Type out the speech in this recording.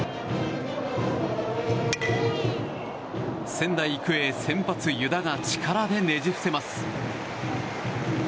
仙台育英、先発・湯田が力でねじ伏せます。